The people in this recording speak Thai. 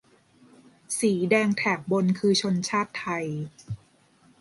สีแดงแถบบนคือชนชาติไทย